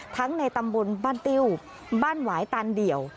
ในตำบลบ้านติ้วบ้านหวายตานเดี่ยว